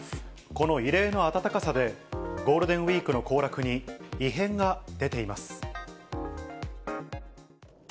この異例の暖かさで、ゴールデンウィークの行楽に異変が出ています。